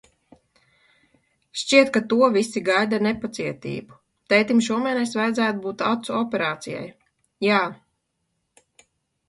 Šķiet, ka to visi gaida ar nepacietību. Tētim šomēnes vajadzētu būt acu operācijai. Jā...